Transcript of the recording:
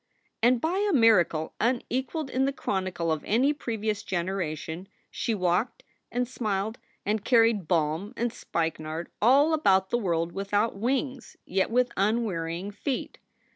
And by a miracle unequaled in the chronicle of any pre vious generation she walked and smiled and carried balm and spikenard all about the world without wings, yet with unwearying feet.